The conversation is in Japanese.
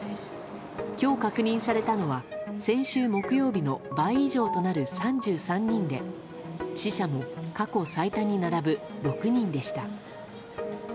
今日確認されたのは先週木曜日の倍以上となる３３人で死者も過去最多に並ぶ６人でした。